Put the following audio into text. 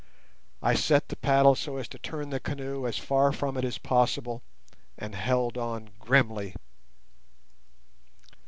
I set the paddle so as to turn the canoe as far from it as possible, and held on grimly.